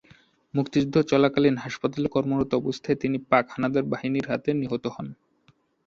মুক্তিযুদ্ধ চলাকালীন হাসপাতালে কর্মরত অবস্থায় তিনি পাক হানাদার বাহিনীর হাতে নিহত হন।